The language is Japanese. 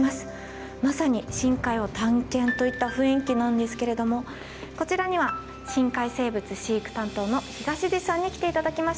まさに深海を探検といった雰囲気なんですけれどもこちらには深海生物飼育担当の東地さんに来ていただきました。